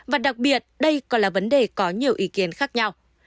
và đặc biệt đây còn là vấn đề có nhiều ý kiến khác nhau